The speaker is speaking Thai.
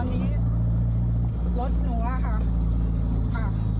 อันนี้รถหนูอะค่ะ